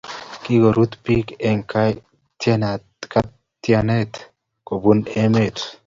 kirotu birik eng' katyaknatet kobun emet.